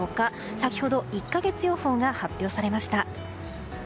先ほど１か月予報が発表されました。